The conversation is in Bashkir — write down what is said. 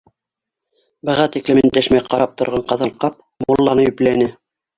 Быға тиклем өндәшмәй ҡарап торған Ҡаҙанҡап мулланы йөпләне: